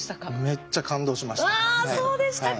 めっちゃ感動しました。